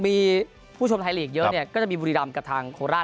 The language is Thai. มีผู้ชมไทยลีกเยอะเนี่ยก็จะมีบุรีรำกับทางโคราช